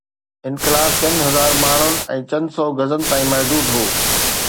انقلاب چند هزار ماڻهن ۽ چند سو گز تائين محدود هو.